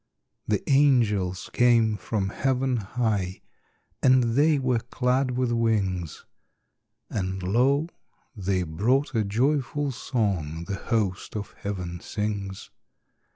The angels came from heaven high, And they were clad with wings; And lo, they brought a joyful song The host of heaven sings.